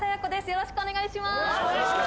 よろしくお願いします